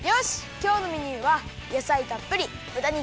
きょうのメニューはやさいたっぷりぶた肉